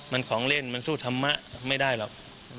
มันของเล่นมันสู้ธรรมะไม่ได้หรอก